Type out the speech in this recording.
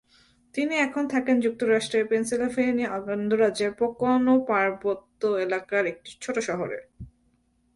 তিনি এখন থাকেন যুক্তরাষ্ট্রের পেনসিলভানিয়া অঙ্গরাজ্যের পোকোনো পার্বত্য এলাকার একটি ছোট শহরে।